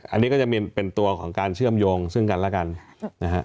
อันนี้ก็จะเป็นตัวของการเชื่อมโยงซึ่งกันแล้วกันนะฮะ